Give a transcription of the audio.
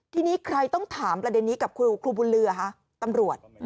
ทีนี้ใครต้องถามประเด็นนี้กับครูบุญเรือคะตำรวจ